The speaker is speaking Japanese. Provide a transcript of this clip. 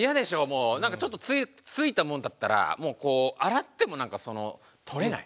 何かちょっとついたもんだったらこう洗っても何か取れない。